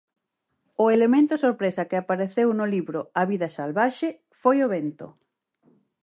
O elemento sorpresa que apareceu no libro 'A vida salvaxe' foi o vento.